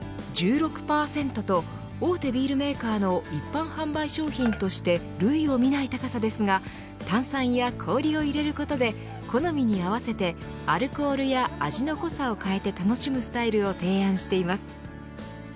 １６％と大手ビールメーカーの一般販売商品として類をみない高さですが炭酸や氷を入れることで好みに合わせてアルコールや味の濃さを変えて楽しむスタイルを提案しています。